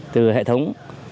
từ hệ thống